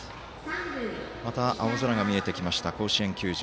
また、青空が見えてきました甲子園球場。